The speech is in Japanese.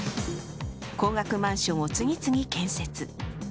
高額マンションを次々建設。